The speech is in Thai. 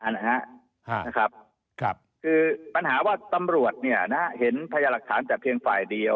นะครับคือปัญหาว่าตำรวจเนี่ยนะฮะเห็นพยาหลักฐานแต่เพียงฝ่ายเดียว